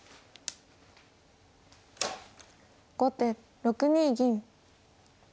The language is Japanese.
後手６二銀。